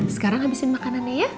dan sekarang habisin makanannya ya